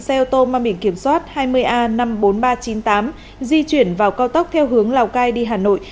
xe ô tô mang biển kiểm soát hai mươi a năm mươi bốn nghìn ba trăm chín mươi tám di chuyển vào cao tốc theo hướng lào cai đi hà nội